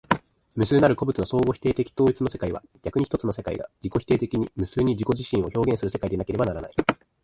無数なる個物の相互否定的統一の世界は、逆に一つの世界が自己否定的に無数に自己自身を表現する世界でなければならない。